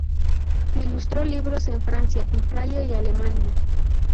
Ilustró libros en Francia, Italia y Alemania.